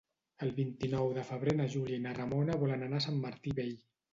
El vint-i-nou de febrer na Júlia i na Ramona volen anar a Sant Martí Vell.